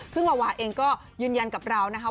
ซึ่งวาวาเองก็ยืนยันกับเรานะคะ